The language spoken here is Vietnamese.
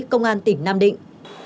công an tỉnh nam định